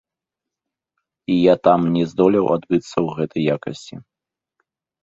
І я там не здолеў адбыцца ў гэтай якасці.